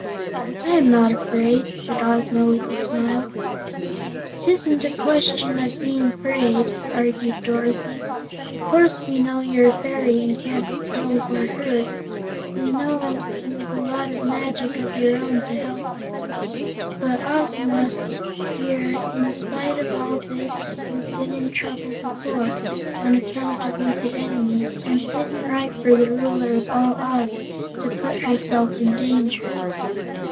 "I am not afraid," said Ozma, with a smile. "'Tisn't a question of being 'fraid," argued Dorothy. "Of course we know you're a fairy, and can't be killed or hurt, and we know you've a lot of magic of your own to help you. But, Ozma dear, in spite of all this you've been in trouble before, on account of wicked enemies, and it isn't right for the Ruler of all Oz to put herself in danger."